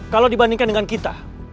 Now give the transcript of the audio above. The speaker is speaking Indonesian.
kalau dibandingkan dengan kita